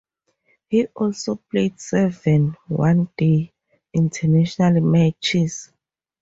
He also played seven One Day International matches.